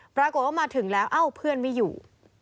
ปรากฏว่ามาถึงแล้วเอ้าเพื่อนไม่อยู่